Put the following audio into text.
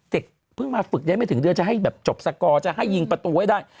เพิ่งมาฝึกได้ไม่ถึงเดือนจะให้แบบจบสกอร์จะให้ยิงประตูไว้ได้